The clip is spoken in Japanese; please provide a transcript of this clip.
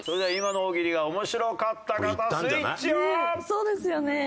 そうですよね。